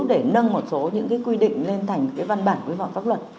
để nâng một số những cái quy định lên thành cái văn bản quy vọng pháp luật